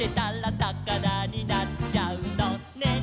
「さかなになっちゃうのね」